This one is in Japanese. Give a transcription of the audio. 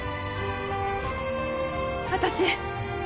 私